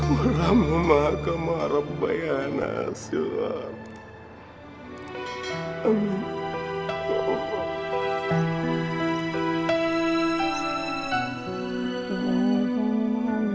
wa rahmahumma akamah rabbay'anasi ya allah